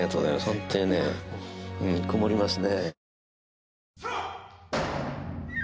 ホントにね曇りますね